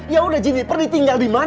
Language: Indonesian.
ya udah jeniper ditinggal di mana